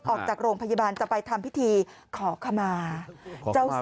ออกจากโรงพยาบาลจะไปทำพิธีขอขมาเจ้าสาว